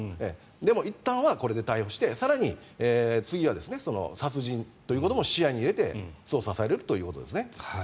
でも、いったんはこれで逮捕して更に次は殺人ということも視野に入れて捜査されるということですね。